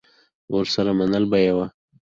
ورسره منلې به یې وه.